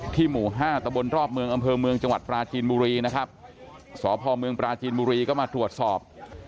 หมู่ห้าตะบนรอบเมืองอำเภอเมืองจังหวัดปราจีนบุรีนะครับสพเมืองปราจีนบุรีก็มาตรวจสอบ